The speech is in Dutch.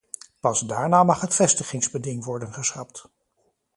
Pas daarna mag het vestigingsbeding worden geschrapt.